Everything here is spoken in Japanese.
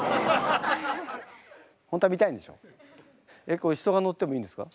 えっこれ人が乗ってもいいんですか？